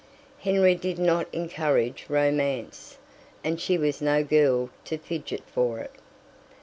Henry did not encourage romance, and she was no girl to fidget for it.